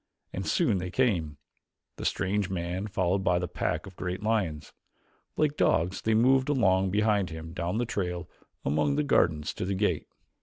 And soon they came the strange man followed by the pack of great lions. Like dogs they moved along behind him down the trail among the gardens to the gate.